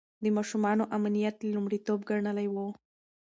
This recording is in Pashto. د ماشومانو امنيت يې لومړيتوب ګڼلی و.